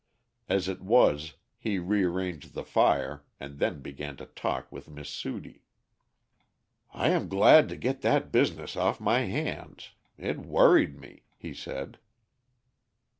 As it was he rearranged the fire and then began to talk with Miss Sudie. "I am glad to get that business off my hands. It worried me," he said.